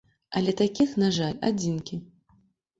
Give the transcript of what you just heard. Але такіх, на жаль, адзінкі.